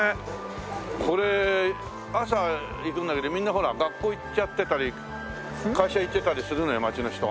これ朝行くんだけどみんなほら学校行っちゃってたり会社行ってたりするのよ街の人が。